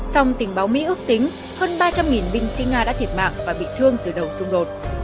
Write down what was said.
song tình báo mỹ ước tính hơn ba trăm linh binh sĩ nga đã thiệt mạng và bị thương từ đầu xung đột